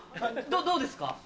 どうですか？